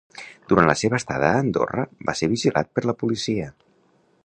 Durant la seva estada a Andorra va ser vigilat per la policia.